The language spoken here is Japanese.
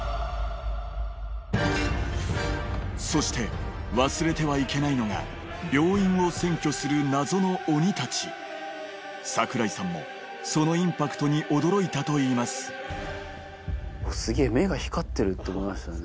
そして忘れてはいけないのが病院を占拠する謎の鬼たち櫻井さんもそのインパクトに驚いたといいますすげぇ目が光ってるって思いましたね。